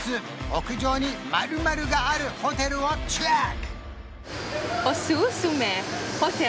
屋上に○○があるホテルをチェック！